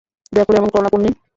দয়া করে এমন করো না, পোন্নি।